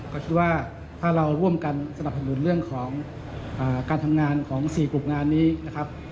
ก็คิดว่าถ้าเราร่วมกันสนับสนุนเรื่องของการทำงานของ๔กลุ่มงานนี้นะครับ